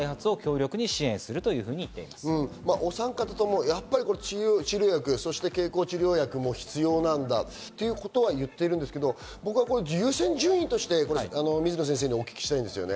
お三方とも治療薬、経口治療薬も必要なんだということは言ってるんですけど、僕は優先順位として水野先生にお聞きしたいんですよね。